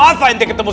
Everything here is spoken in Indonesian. apa yang diketemu